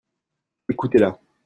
Écoutez-la.